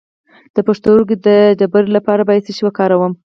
د پښتورګو د تیږې لپاره باید څه شی وکاروم؟